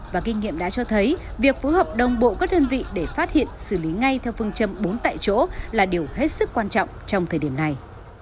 và kinh nghiệm đã cho thấy việc phối hợp đồng bộ các đơn vị để phát hiện xử lý ngay theo phương châm bốn tại chỗ là điều hết sức quan trọng trong thời điểm này